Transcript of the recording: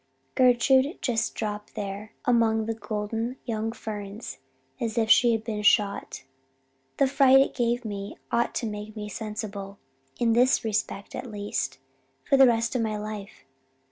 Gertrude just dropped there among the golden young ferns as if she had been shot. The fright it gave me ought to make me sensible in this respect at least for the rest of my life.